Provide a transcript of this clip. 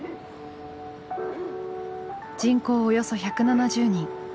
人口およそ１７０人。